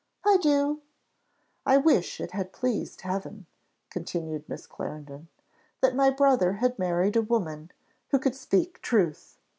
"I do." "I wish it had pleased Heaven," continued Miss Clarendon, "that my brother had married a woman who could speak truth!